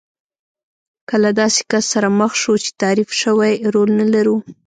که له داسې کس سره مخ شو چې تعریف شوی رول نه لرو.